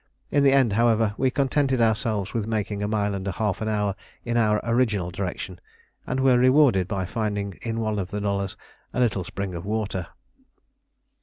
In the end, however, we contented ourselves with making a mile and a half an hour in our original direction, and were rewarded by finding in one of the nullahs a little spring of water.